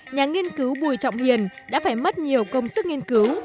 nhà nghiên cứu bùi trọng hiền đã phải mất nhiều công sức nghiên cứu